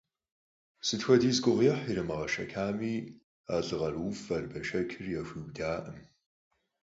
Сыт хуэдиз гугъуехь ирамыгъэшэчами, а лӏы къарууфӏэр, бэшэчыр яхуиудакъым.